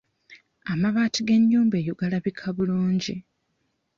Amabaati g'ennyumba eyo galabika bulungi.